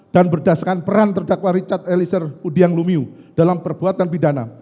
dan berdasarkan peran terdakwa richard elisir budiang lumiu dalam perbuatan pidana